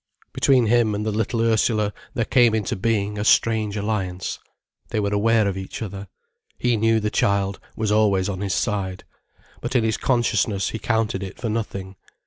Between him and the little Ursula there came into being a strange alliance. They were aware of each other. He knew the child was always on his side. But in his consciousness he counted it for nothing.